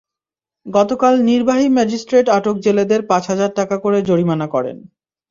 গতকাল নির্বাহী ম্যাজিস্ট্রেট আটক জেলেদের পাঁচ হাজার টাকা করে জরিমানা করেন।